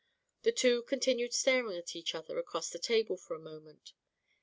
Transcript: The two continued staring at each other across the table for a moment.